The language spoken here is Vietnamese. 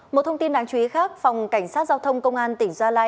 một thông tin đáng chú ý khác phòng cảnh sát giao thông công an tỉnh gia lai